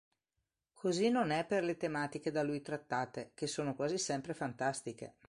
Così non è per le tematiche da lui trattate, che sono quasi sempre fantastiche.